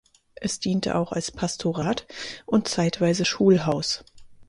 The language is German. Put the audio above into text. Es diente auch als Pastorat und zeitweise Schulhaus.